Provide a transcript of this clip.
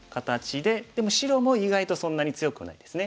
でも白も意外とそんなに強くないですね。